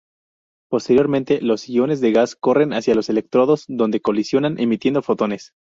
Posteriormente, los iones del gas corren hacia los electrodos, donde colisionan emitiendo fotones.